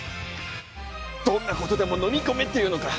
「どんなことでものみ込めっていうのか？」